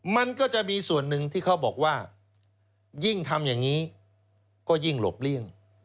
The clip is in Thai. มันก็จะมีส่วนหนึ่งที่เขาบอกว่ายิ่งทำอย่างนี้ก็ยิ่งหลบเลี่ยง